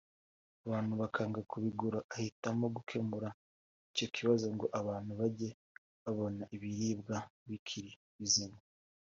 abantu bakanga kubigura ahitamo gukemura icyo kibazo ngo abantu bajye babona ibiribwa bikiri bizima